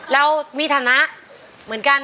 เรามีฐานะเหมือนกัน